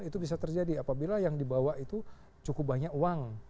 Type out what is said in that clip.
itu bisa terjadi apabila yang dibawa itu cukup banyak uang